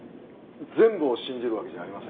全部を信じるわけじゃありません。